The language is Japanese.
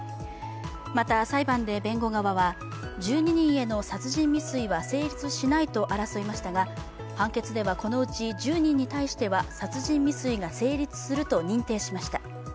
また裁判で弁護側は、１２人への殺人未遂は成立しないと争いましたが、判決ではこのうち１０人に対しては殺人未遂が成立すると認定しました。